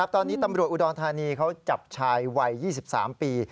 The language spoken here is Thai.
ตอนนี้ตำรวจอุดรธานีเขาจับชายวัย๒๓ปี